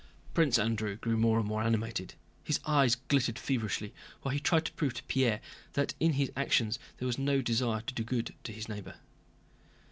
Prince Andrew grew more and more animated. His eyes glittered feverishly while he tried to prove to Pierre that in his actions there was no desire to do good to his neighbor.